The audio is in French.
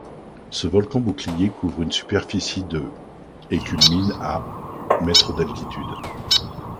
Ce volcan bouclier couvre une superficie de et culmine à mètres d'altitude.